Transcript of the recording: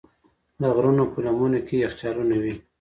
د غرونو په لمنو کې یخچالونه وي.